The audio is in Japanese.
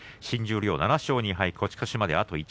新十両７勝２敗です。